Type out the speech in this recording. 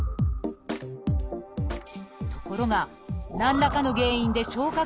ところが何らかの原因で消化